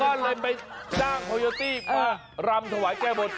เพราะนั้นท่านไปจ้างโคโยตี้มารำถวายแก้บน